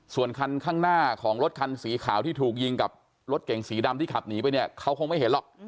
ส่วนคันข้างหน้าของรถคันสีขาวที่ถูกยิงกับรถเก่งสีดำที่ขับหนีไปเนี่ยเขาคงไม่เห็นหรอก